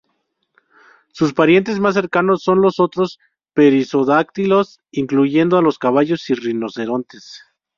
Sus parientes más cercanos son los otros perisodáctilos, incluyendo a los caballos y rinocerontes.